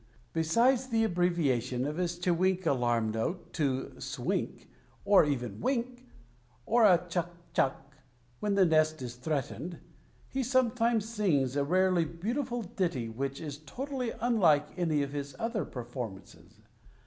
Besides the abbreviation of his che wink alarm note to swink, or even wink, and a chuck, chuck, when the nest is threatened, he sometimes sings a rarely beautiful ditty which is totally unlike any of his other performances.